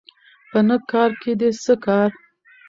په نه کارکې دې څه کار